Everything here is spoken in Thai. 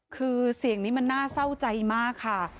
คือเสียงนี้มันน่าเศร้าใจมากค่ะ